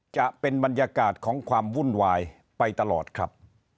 จะเป็นบรรยากาศของความวุ่นวายไปตลอดครับ